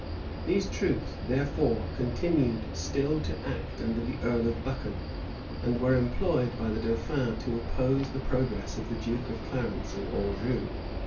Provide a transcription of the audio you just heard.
These troops, therefore, continued still to act under the earl of Buchan: and were employed by the dauphin to oppose the progress of the duke of Clarence in Anjou.